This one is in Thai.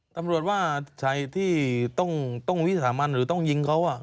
ตำรวจว่าชายที่ต้องวิสามันหรือต้องยิงเขา